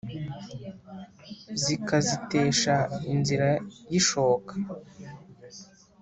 Zikazitesha inzira y'ishoka